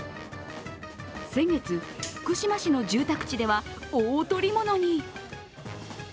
先月、福島市の住宅地では大捕り物に。